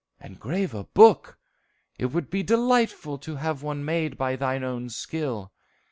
"Engrave a book! It would be delightful to have one made by thine own skill!"